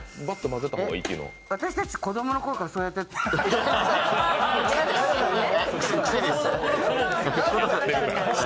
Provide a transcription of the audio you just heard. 私たち、子供のころからそうやってた。